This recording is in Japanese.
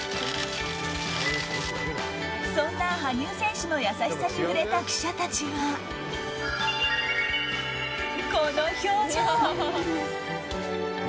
そんな羽生選手の優しさに触れた記者たちは、この表情。